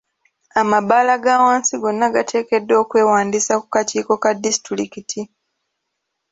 Amabaala ga wansi gonna gateekeddwa okwewandiisa ku kakiiko ka disitulikiti.